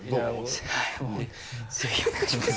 ぜひお願いします。